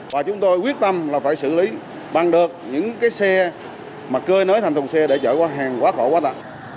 và chúng tôi quyết tâm là phải xử lý bằng được những cái xe mà cơi nới thành thùng xe để chở quá hàng quá khổ quá nặng